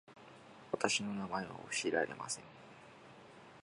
私の名前は教えられません